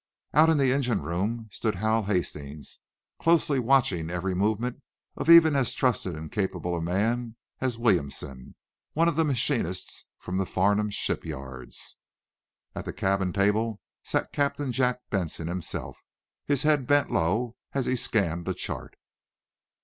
Out in the engine room stood Hal Hastings, closely watching every movement of even as trusted and capable a man as Williamson, one of the machinists from the Farnum shipyards. At the cabin table sat Captain Jack Benson himself, his head bent low as he scanned a chart.